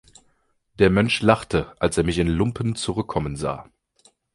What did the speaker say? Der Mönch lachte, als er mich in Lumpen zurückkommen sah.